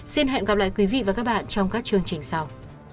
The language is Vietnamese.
xin hẹn gặp lại quý vị và các bạn trong các chương trình sau